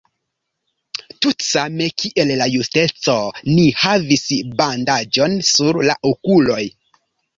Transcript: Tutsame kiel la Justeco, ni havis bandaĝon sur la okuloj.